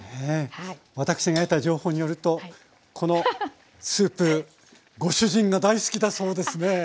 私が得た情報によるとこのスープご主人が大好きだそうですね？